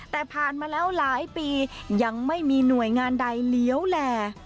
แต่ผ่านมาแล้วหลายปียังไม่มีหน่วยงานใดเลี้ยวแหล่